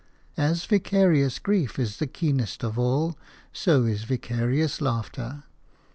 As vicarious grief is the keenest of all, so is vicarious laughter.